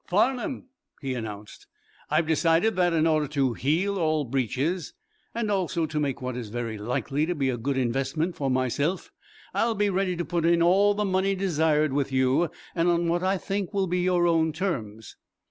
"Farnum," he announced, "I've decided that, in order to heal all breaches, and also to make what is very likely to be a good investment for myself, I'll be ready to put in all the money desired with you, and on what I think will be your own terms."